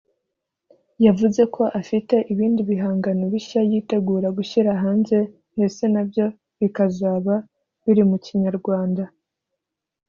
yavuze ko afite ibindi bihangano bishya yitegura gushyira hanze ndetse nabyo bikazaba biri mu Kinyarwanda